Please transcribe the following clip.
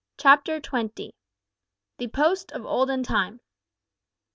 CHAPTER TWENTY. THE POST OF THE OLDEN TIME.